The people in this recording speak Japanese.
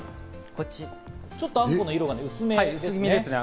ちょっとあんこの色が薄めですね。